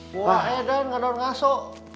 buah edan gak daun ngasuk eh